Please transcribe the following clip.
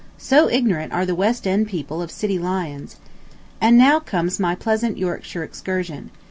So ignorant are the West End people of city lions. ... And now comes my pleasant Yorkshire excursion.